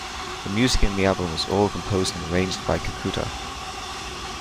The music in the album was all composed and arranged by Kikuta.